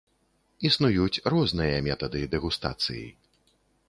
Існуюць розныя метады дэгустацыі.